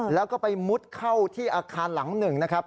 แล้วก็ไปมุดเข้าที่อาคารหลังหนึ่งนะครับ